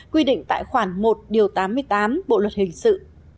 quy định tại khoản một điều tám mươi tám bộ luật hình sự